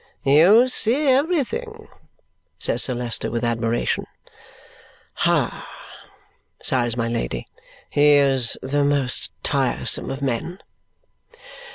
"You see everything," says Sir Leicester with admiration. "Ha!" sighs my Lady. "He is the most tiresome of men!"